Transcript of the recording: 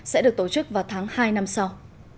sẽ được tổ chức vào tháng hai năm sau